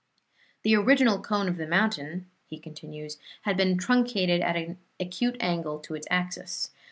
"The original cone of the mountain," he continues, "had been truncated at an acute angle to its axis.